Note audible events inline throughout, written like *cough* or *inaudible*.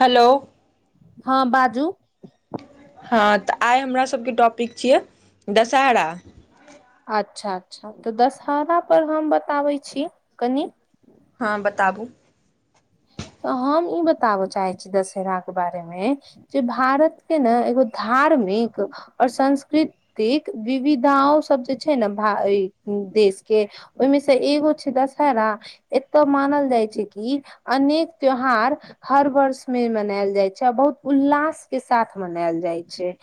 hello जू हँ तऽ आइ हमरा सबके टॉपिक छियै दशहरा अच्छा अच्छा तऽ दशहरा परर हम बताबै छी कनि हँ बताबू तऽ हम ई बताबऽ चाहे छी दशहरा के बारे मे जे भारत के ने एगो धार्म नीक और सांस्कृतिक विविधाओं सब जे छैय ने देश के ओहिमे से एगो छैय दशहरा एतय मानल जाई छैय कि अनेक त्योहार हर वर्ष में मनायल जाय छैय और बहुत उल्लास के साथ मनायल जाय छैय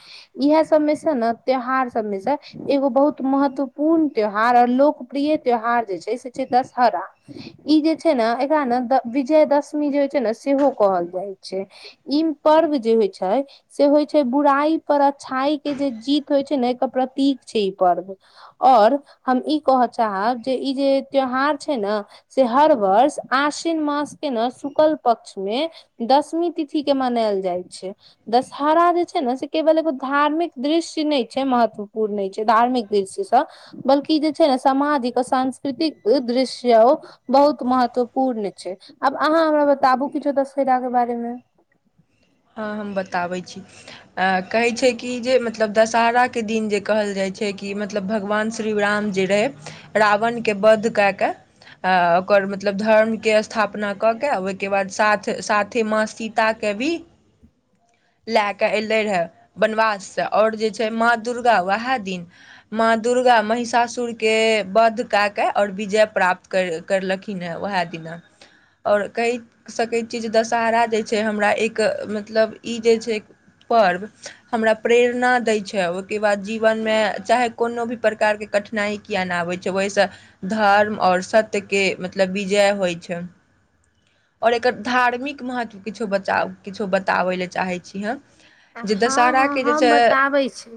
इह सब मे से ने त्यौहार सबमे से एगो बहुत महत्वपूर्ण त्यौहार लोकप्रिय त्यौहार जे छैय से छैय दशहरा ई जे छैय ने एकरा ना विजय दशमी जे होइ छैय ने सेहो कहल जाइ छैय ई पर्व जे होइ छैय से होय छैय बुराइ पर अच्छाई के जे जीत होइ छैय ने एकर प्रतीक छैय ई पर्व और हम ई कहऽ चाहब जे ई जे त्यौहार छैय ने से हर वर्ष आस न मास के ने शुकल पक्ष मे दशमी तिथि के मनायल जाइ छैय दश हरा जे छैय ने से केवल एगो धार्मिक दृश्य नहि छैय महत्वपूर्ण नहि छैय धार्मिक दृश्यस बल्कि जे छैय ने सामाजिक आ सांस्कृतिक दृश्य ओ बहुत महत्वपूर्ण छैय आब अहाँ हमरा बताबु किछो दशहरा के बारेमे हाँ हम बताबै छी कहै छैय कि जे मतलब दशहरा के दिन जे कहल जाइ छैय कि मतलब भगवान श्री राम जे रहै रावणके वध के कऽ के आ ओकर मतलब धर्मके स्थापना कऽ केऽ ओहिके बाद साथ साथे माँ सीताके कवी लए कऽ एलै रहै बनवाससे ओर जे छैय माँ दुर्गा उएह दिन माँ दुर्गा महिषासुर के वध क के और विजय प्राप्त करलखिन हे उहे दिन ओर कहि सकै छीय जे दशरा जे छैय हमरा एक मतलब ई जे छैय पर्व हमरा प्रेरणा दै छैय ओहिके बाद जीवनमे चाहे कोनो भी प्रकारके कठिनाई किए नहि आबै छैय ओहिसे धर्म और सत्यके मतलब विजय होई छैय ओर एकर धार्मिक महत्व किछो बता किछो बताबय लेलए चाहै छी हम जे हँ हँ दशहराके जे हम छैय बताबै छी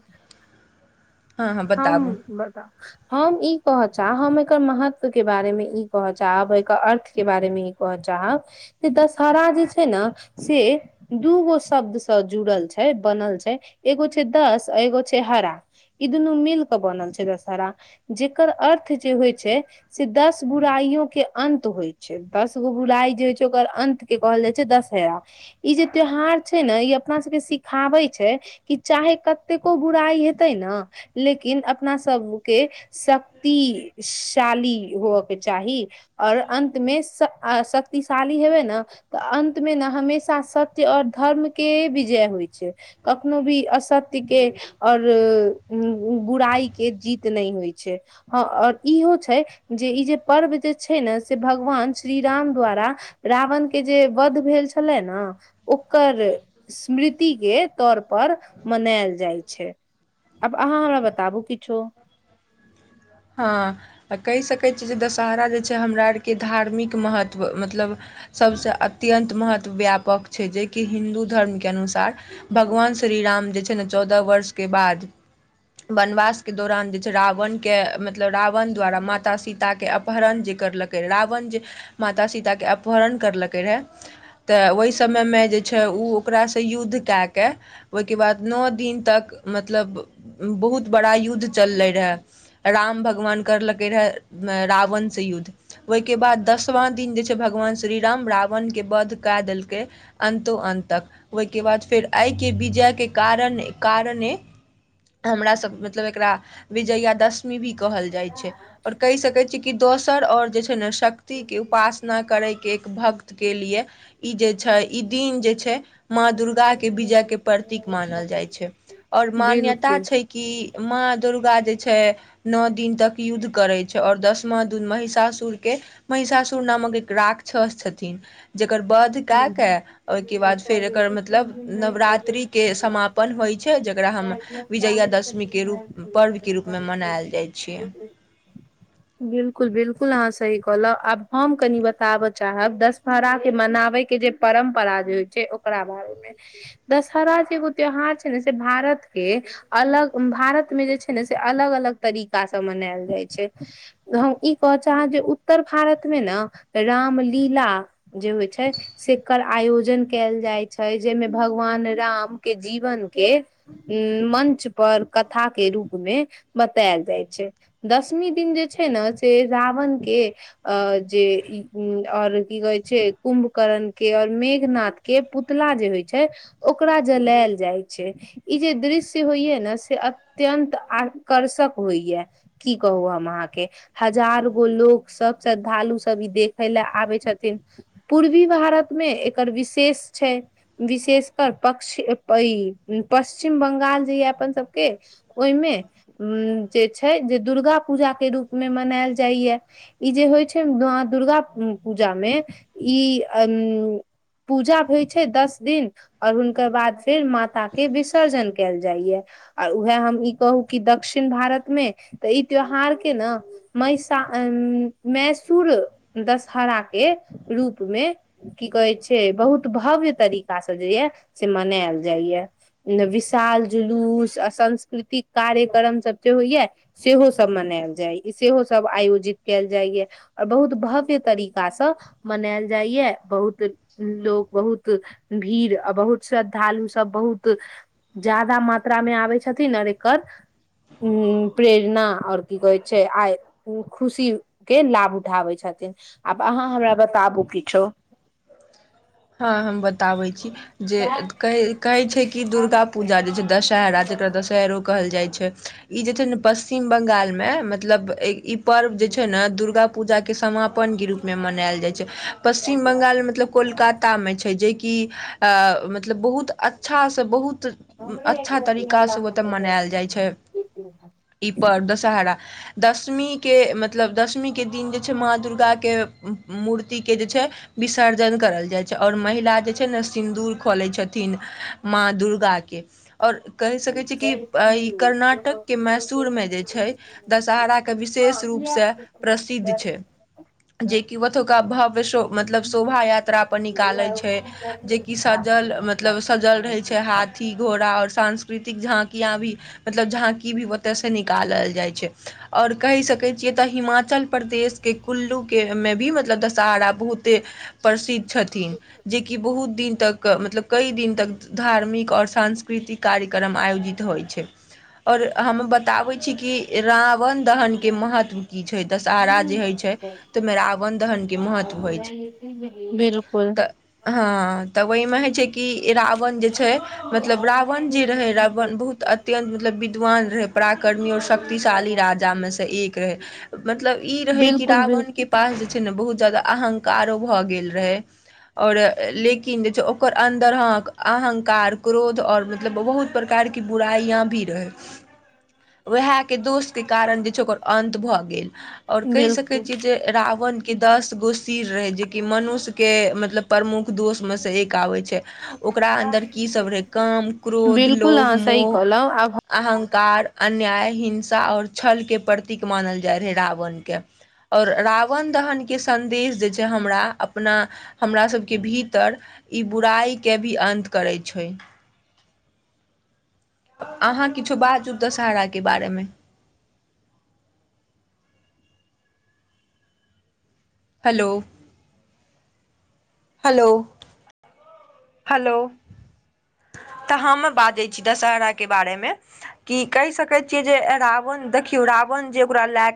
हम बताउ हम ई कह महत्व के बारे मे ई कहचाब एकर अर्थ के बारे मे ई कहचाहब जे दशहरा जे छैय ने से दूगो शब्द से जुड़ल छैय बनल छैय एगो छैय त बस एगो छैय हरा ई दुनू मिल के बनल छैय दशहरा जेकर अर्थ जे होइ छैय से दस बुराई के अन्त होइ छैय दस गो बुराई के जे होइ छैय ओकर अन्त के कहल जाइ छैय दशहरा ई जे त्यौहार छैय ने ई अपना सबके सिखाबे छैय कि चाहे कतेको बुराई हेतै ना लेकिन अपना सबके शक्तिशाली होअके चाही ओर अन्तमे शक्तिशाली हेबय ने तऽ अन्तमे ने हमेशा सत्य ओर धर्मकेँ विजय होइत छैक कखनो भी असत्य केँ ओर हूँ हूँ बुराई केँ जीत नहि होइत छैक से भगवान श्री राम द्वारा रावण केँ जे वध भेल छलै ने ओकर स्मृति केँ तौर पर मनायल जाइत छै आब अहाँ हमरा बताबू किछो हाँ आ कहि सकैत छी जे दशहरा जे छै हमरा आरके धार्मिक महत्व मतलब सबसे अत्यंत महत्व व्यापक छै जेकि हिन्दू धर्म के अनुसार भगवान से श्री राम जे छै ने चौदह वर्ष के बाद वनवास के दौरान जे छै रावण के मतलब रावण द्वारा माता सीताके अपहरण जे करलकै रावण जे माता सीताके अपहरण लकै रहय तऽ ओहि समयमे जे छै उ ओकरासे युद्ध कए क ओहिके बाद नौ दिन तक मतलब बहुत बड़ा युद्ध चललै रहय राम भगवान करलकै रहय रावण से युद्ध ओहिके बाद दसवा दिन जे छै भगवान श्रीराम रावण केँ वध क देलकै अन्तो अन्त तक ओहिके बाद फेर आइ के विजय के कारण कारण ये हमरा सब मतलब एकरा विजयादशमी भी कहल जाइत छै और कहि सकय छियै कि दोसर ओर जे छै ने शक्ति के उपासना करै के एक भक्त के लिए ई जे छै ई दिन जे छै माँ दुर्गा के विजय के प्रतीक मानल जाइ छै और मान्यता बिलकुल बिलकुल छै कि माँ दुर्गा जे छै नौ दिन तक युद्ध करै छै और दसमा दिन महिषासुर के महिषासुर नामक एक राक राक्षस छथिन जे ओकर वध कए कऽ ओहिके बाद फेर एकर मतलब नवरात्रिके समापन होइ छै जेकरा हम विजयादशमी के रूप पर्व के रूप मे मनायल जाय बिलकुल बिलकुल ना सही कहलँउ आब हम अपनी बताब चाहब दशहरा केँ मना ओइके जे परम्परा जे होय छै ओकरा बारे मे दशहरा के ओ त्यौहार छै ने से भारत भारत मे जे छै ने से अलग अलग तरीकासँ मनायल जाइत छैक हम ई कह चाहब जे उत्तर भारत मे ने रामलीला जे होइ छै सेकर आयोजन कैल जाइत छै जाहिमे भगवान राम कें जीवन के मंच पर कथा के रूप मे बतायल जाय छै दसमी दिन जे छै ने न छे रावण के अ जे और की कहै छै कुम्भ करण के और मेघनाथ के पुतला जे होइत छै ओकरा जलायल जाइत छै ई जे दृश्य होइया ने से अत्यंत आकर्षक होइया की कहू हम अहाँके केँ हजार गो लोक सब श्रद्धालु सब ई देखै लए आबैत छथिन पूर्वी भारतमे एकर विशेष छैक विशेषकर पक्ष पश्चिम बंगाल जे ये अपन सबके ओहिमे उ जे छै जे दुर्गा पूजा केँ रूप मे मनायल जाइत ई जे होइ छै दुर्गा पूजा मे ई अन *unintelligible* पूजा होइत छैक दस दिन और हुनकर बाद फेर माता कें विसर्जन कैल जाइत आ उहै हम ई कहू कि दक्षिण भारत मे तऽ ई त्यौहार के ने महिसा मैसूर दशहरा केँ रूपमे की कहै छै बहुत भव्य तरीकासँ जे यए से मनायल जाइया विशाल जुलूस आ सांस्कृतिक कार्यक्रम सब जे होइया सेहो सब मने मनायल जाय या सेहो सब आयोजित कयल जाइया और बहुत भव्य तरीका सँ मनायल जाइ या बहुत लोग बहुत भीड़ आ बहुत श्रद्धालु सब बहुत बहुत जादा मात्रामे आबैत छथिन आर एकर ह्म प्रेरणा और की कहै छै आइ खुशी के लाभ उठाबै छथिन आब आहाँ हमरा बताबू किछो हँ हम बताबै छी जे कह कहै छै कि दुर्गा पूजा जे छै दशहरा जेकरा दशहैरो कहल जाय छै इ जे छै ने पश्चिम बंगाल मे मतलब पर्व जे छै ने दुर्गा पूजा केँ समापन गिरु में मनायल जाइत छै पशिचम बंगाल मतलब कोलकाता मै छै जेकि अ मतलब बहुत अच्छाँ बहुत बहुत अच्छा तरीकासँ ओतय मनायल जाइत छै ई पर्व दशहरा दसमीके मतलब दसमीके दिन जे छै माँ दुर्गाके मूर्तिके जे छै विसर्जन करल जाइ और महिला जे छै ने सिन्दूर क लैत छथिन माँ दुर्गा के और कहि सकैत छी कि ई कर्नाटक केँ मैसूर मे जे छैक दशहरा केँ विशेष विशेष रूपसँ प्रसिद्ध छैक जेकि ओ तौका भव्य शोभा यात्रा पर नि निकालै छै जेकि सजल मतलब सजल रहय छै हाथी घोड़ा सांस्कृतिक झाँकिया भी मतलब झाँकी भी ओतऽ से निकालल जाइत छैक और कहैत सकैत छियै तऽ हिमाचल प्रदेश केँ कुल्लू के मे भी मतलब दशहरा बहुते प्रसिद्ध छथि मतलब कई दिन तक धार्मिक आओर सांस्कृतिक कार्यक्रम आयोजित होइत छै और हम बताबै छी कि राम रावण दहनकेँ महत्व की छैक दशहरा जे होइ छैक तऽ ओहिमे रावण दहनकेँ महत्व होइत छैक बिलकुल तऽ हँ तऽ ओहिमे होइत छै कि रावण जे छै मतलब रावण जी रहय रावण बहुत अत्यन्त मतलब विद्वान रहय पराक्रमी और शक्ति शक्तिशाली राजा मे से एक रहय मतलब ई रहै कि बिलकुल बिल रावण केँ पास जे छै ने बहुत जदा अहंकारो भए गेल रहय आओर लेकिन जे छै ओकर अन्दर अहंकार क्रोध आओर मतलब बहुत प्रकारक बुराइ भी रहय वएह केँ दोषकेँ कारण जे छै ओकर अन्त भऽ गेल आओर कहि सकैत बिलकुल छियै जे रावणकेँ दस गो सिर रहय जेकि मनुष्य कें मतलब प्रमुख दोष में से एक आबैत छै ओकरा अन्दर की सब रहय काम क्रोध बिलकुल लोभ अहाँ सही मोह कहलहुँ आब अहंकार कार अन्याय हिंसा आओर छलकें प्रतीक मानल जाइत रहय रावणकें आओर रावण दहनकेँ सन्देश जे छै हमरा अपना हमरा सभकें भीतर ई बुराइके भी अन्त करैत छैक अहाँ किछो बाजू दशहराकेँ बारेमे *inaudible* हेलो हलो हेलो तऽ हम बाजै छी दशहरा केँ बारेमे कि कहि सकैत छियैक जेना न देखियो रावण जेओकरा लए